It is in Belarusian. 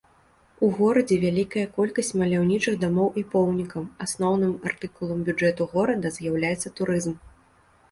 У горадзе вялікая колькасць маляўнічых дамоў і помнікаў, асноўным артыкулам бюджэту горада з'яўляецца турызм.